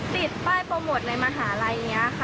ติดป้ายโปรโมทในมหาลัยอย่างนี้ค่ะ